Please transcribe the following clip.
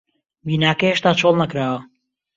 بیناکە هێشتا چۆڵ نەکراوە.